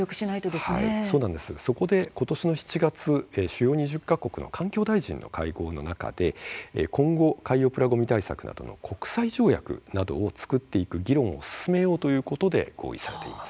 そこでことしの７月主要２０か国の環境大臣の会合の中で今後海洋プラごみ対策などの国際条約などを作っていく議論を進めようということで合意されています。